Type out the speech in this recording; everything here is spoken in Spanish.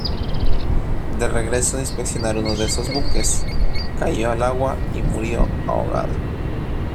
De regreso de inspeccionar uno de esos buques, cayó al agua y murió ahogado.